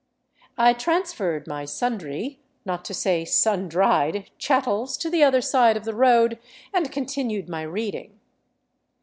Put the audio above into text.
I transferred my sundry, not to say sun dried, chattels to the other side of the road and continued my reading.